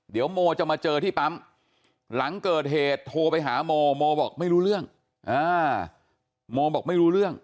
เดี๋ยวโมจะมาเจอที่ปั๊มหลังเกิดเหตุโทรไปหาโมโมบอกไม่รู้เรื่อง